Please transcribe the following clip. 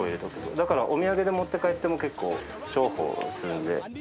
だからお土産で持って帰っても結構重宝するんで。